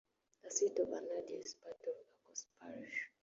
The city of Anadia is part of Arcos parish.